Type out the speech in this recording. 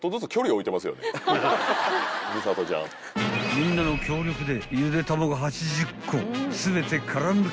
［みんなの協力で］